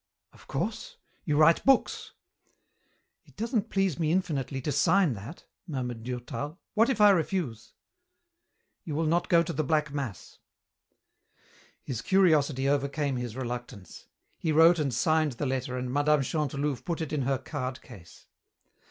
"Of course. You write books." "It doesn't please me infinitely to sign that," murmured Durtal. "What if I refuse?" "You will not go to the Black Mass." His curiosity overcame his reluctance. He wrote and signed the letter and Mme. Chantelouve put it in her card case.